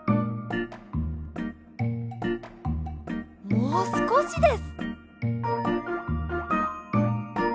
もうすこしです。